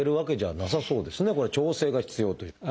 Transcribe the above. これは調整が必要という。